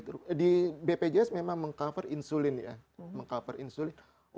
tipe satu ini di bpjs memang meng cover insulin ya